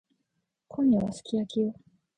今夜はすき焼きよ。